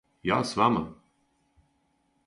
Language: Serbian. Ја с вама?